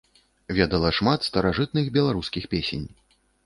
Ведала шмат старажытных беларускіх песень.